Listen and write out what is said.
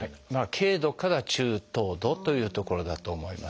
軽度から中等度というところだと思います。